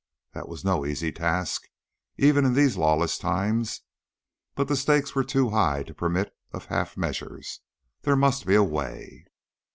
That was no easy task, even in these lawless times, but the stakes were too high to permit of half measures. There must be a way.